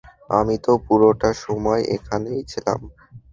আমি তো পুরোটা সময় এখানেই ছিলাম।